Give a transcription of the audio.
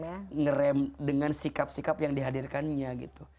ngerem dengan sikap sikap yang dihadirkannya gitu